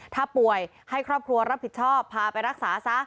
ถ้าป่วยให้ครอบครัวรับผิดชอบพาไปรักษาซะ